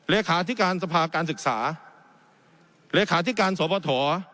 เลขาธิการสภาการศึกษาเลขาธิการสปฐ